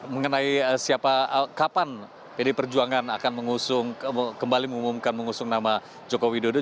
mengenai siapa kapan pdi perjuangan akan mengusung kembali mengumumkan mengusung nama joko widodo